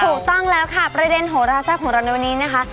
ถูกต้องแล้วค่ะประเด็นโหราแซ่บของเราในวันนี้นะคะ